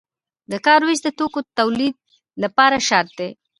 د کار ویش د توکو د تولید لپاره شرط دی.